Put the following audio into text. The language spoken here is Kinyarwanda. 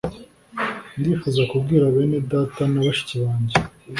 Ndifuza kubwira bene data na bashiki banjye